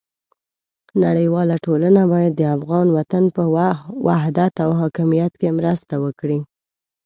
نړیواله ټولنه باید د افغان وطن په وحدت او حاکمیت کې مرسته وکړي.